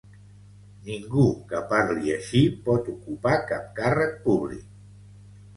Ningú que parli així pot ocupar cap càrrec públic.